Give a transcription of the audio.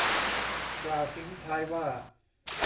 กล่าวทิ้งท้ายว่า